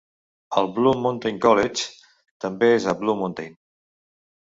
El Blue Mountain College també és a Blue Mountain.